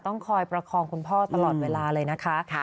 ต้องคอยประคองคุณพ่อตลอดเวลาเลยนะคะ